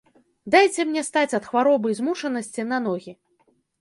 Дайце мне стаць ад хваробы і змучанасці на ногі.